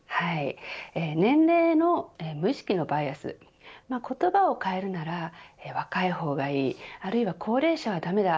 年齢の無意識のバイアス言葉を変えるなら若い方がいいあるいは高齢者はだめだ。